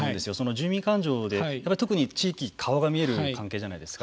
住民感情で特に地域顔が見える関係じゃないですか。